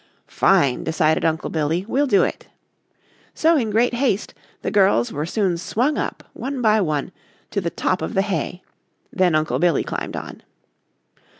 "Fine!" decided Uncle Billy. "We'll do it." So in great haste the girls were soon swung up, one by one, to the top of the hay. Then Uncle Billy climbed on.